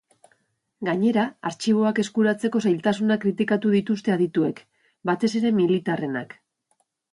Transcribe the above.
Gainera, artxiboak eskuratzeko zailtasunak kritikatu dituzte adituek, batez ere militarrenak.